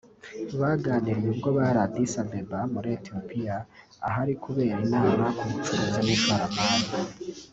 Baganiriye ubwo bari I Addis Abeba muri Ethiopia ahari kubera inama ku bucuruzi n’ishorama